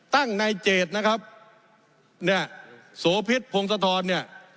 ตั้งนายเจดนะครับเนี่ยโสพิษพงศธรเนี่ย